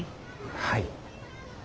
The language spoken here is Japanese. はい。